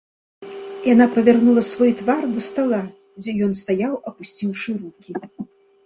Яна павярнула свой твар да стала, дзе ён стаяў, апусціўшы рукі.